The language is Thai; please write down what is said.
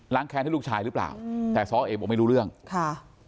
แค้นให้ลูกชายหรือเปล่าอืมแต่ซ้อเอกบอกไม่รู้เรื่องค่ะ